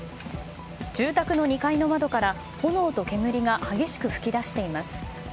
住宅の２階の窓から炎と煙が激しく噴き出しています。